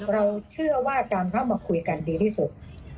เราเชื่อว่าการเข้ามาคุยกันดีที่สุด